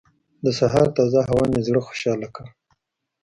د سهار تازه هوا مې زړه خوشحاله کړ.